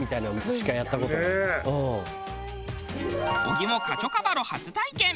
小木もカチョカヴァロ初体験。